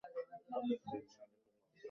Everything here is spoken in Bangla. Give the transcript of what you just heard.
দীর্ঘ দিন লেখালিখি বন্ধ ছিল।